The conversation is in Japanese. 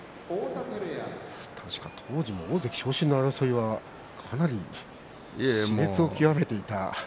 当時の大関昇進争いはかなりしれつを極めていた。